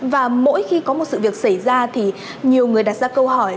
và mỗi khi có một sự việc xảy ra thì nhiều người đặt ra câu hỏi